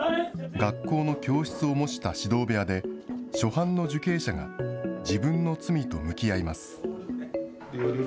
学校の教室を模した指導部屋で、初犯の受刑者が自分の罪と向き合います。